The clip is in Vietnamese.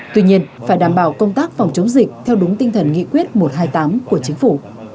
tuy nhiên phải đảm bảo công tác phòng chống dịch theo đúng tinh thần nghị quyết một trăm hai mươi tám của chính phủ